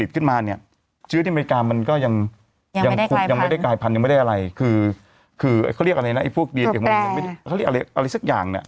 เขาเรียกอะไรนะพวกดีนอีกมงเขาเรียกอะไรสักอย่าง